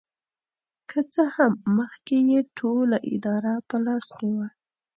که څه هم مخکې یې ټوله اداره په لاس کې وه.